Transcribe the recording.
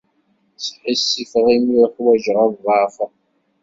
Sḥissifeɣ imi ur ḥwajeɣ ad ḍeɛfeɣ.